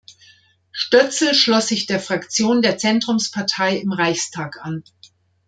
Stötzel schloss sich der Fraktion der Zentrumspartei im Reichstag an.